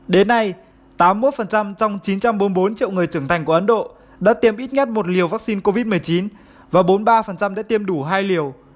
đến nay tám mươi một trong chín trăm bốn mươi bốn triệu người trưởng thành của ấn độ đã tiêm ít nhất một liều vaccine covid một mươi chín và bốn mươi ba đã tiêm đủ hai liều